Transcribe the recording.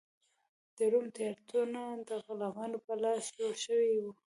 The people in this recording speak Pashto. د روم تیاترونه د غلامانو په لاس جوړ شوي و.